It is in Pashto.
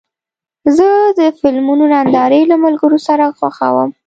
زه د فلمونو نندارې له ملګرو سره خوښوم.